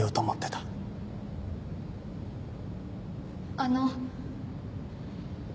あの。